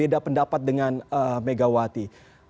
berbeda pendapat dengan megawati